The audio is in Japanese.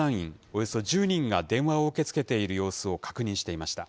およそ１０人が電話を受け付けている様子を確認していました。